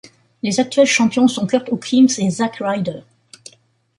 Les actuels champions sont Curt Hawkins et Zack Ryder.